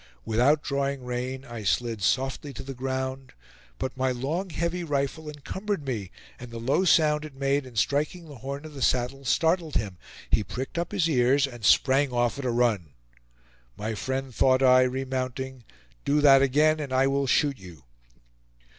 Without drawing rein, I slid softly to the ground; but my long heavy rifle encumbered me, and the low sound it made in striking the horn of the saddle startled him; he pricked up his ears, and sprang off at a run. "My friend," thought I, remounting, "do that again, and I will shoot you!"